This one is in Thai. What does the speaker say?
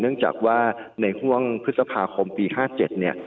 เนื่องจากว่าในห้วงพฤษภาคมปี๕๗